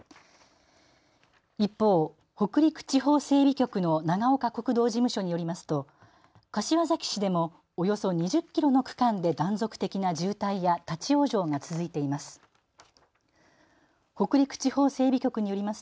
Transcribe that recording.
一方、北陸地方整備局の長岡国道事務所によりますと柏崎市でもおよそ２０キロの区間で断続的な渋滞や立往生が続いています。